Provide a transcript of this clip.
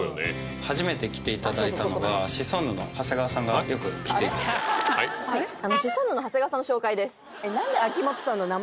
初めて来ていただいたのが「シソンヌ」の長谷川さん紹介です